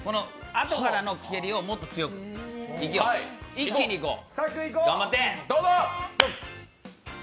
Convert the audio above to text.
あとからのけりをもっと強く一気に行こう！